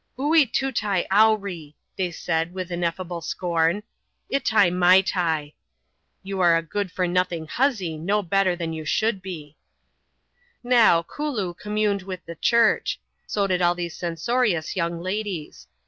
" Oee tootai owree !" said they with ineffable scorn, "itai maitai!" (you are a good for nothing huzzy, no better than you should be). Now, Kooloo communed with the church ; so did all these censorious young ladies.